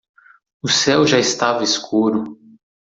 O céu já estava escuro.